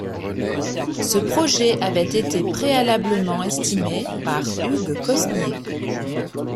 Ce projet avait été préalablement estimé par Hugues Cosnier.